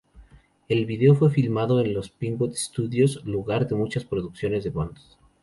El video fue filmado en los Pinewood Studios, lugar de muchas producciones de Bond.